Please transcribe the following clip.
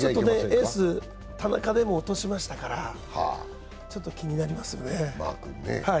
エース・田中でも落としましたからちょっと気になりますよね。